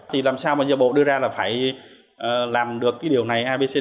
thì làm sao mà giờ bộ đưa ra là phải làm được cái điều này abc